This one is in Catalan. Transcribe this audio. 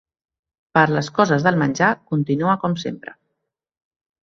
Per les coses del menjar continua com sempre.